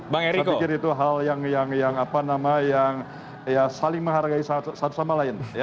saya pikir itu hal yang saling menghargai satu sama lain